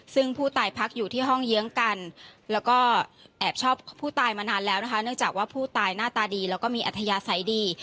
ซึ่งผู้ตายพักอยู่ที่ห้องเยื้องกันแล้วก็แอบชอบผู้ตายมานานแล้วนะคะเนื่องจากว่าผู้ตายหน้าตาดีแล้วก็มีอัธยาศัยดี